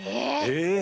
え！